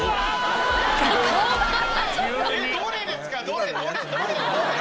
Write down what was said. どれですか？